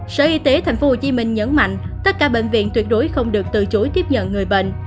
sở y tế tp hcm nhấn mạnh tất cả bệnh viện tuyệt đối không được từ chối tiếp nhận người bệnh